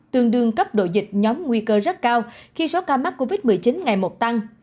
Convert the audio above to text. tương đương cấp độ dịch nhóm nguy cơ rất cao khi số ca mắc covid một mươi chín ngày một tăng